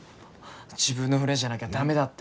自分の船じゃなきゃ駄目だって。